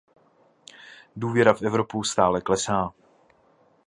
Důvěra v Evropu stále klesá.